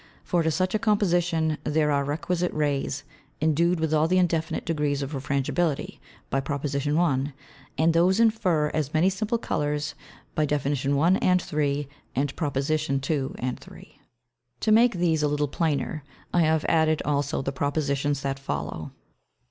For to such a Composition, there are requisite Rays endu'd with all the indefinite Degrees of Refrangibility, by Prop. 1. And those infer as many Simple Colours, by Def. 1 and 3. and Prop. 2 and 3. To make these a little plainer, I have added also the Propositions that follow.